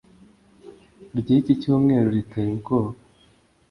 ryiki cyumweru riteye ubwoba